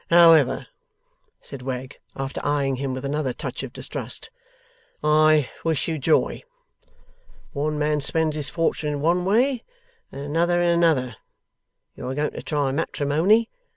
'However,' said Wegg, after eyeing him with another touch of distrust, 'I wish you joy. One man spends his fortune in one way, and another in another. You are going to try matrimony.